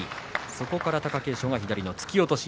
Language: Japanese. そこから貴景勝の左の突き落とし。